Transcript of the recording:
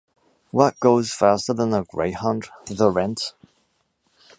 What goes faster than a greyhound? The rent.